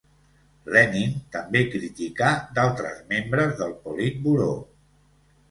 Lenin també criticà d'altres membres del Politburó.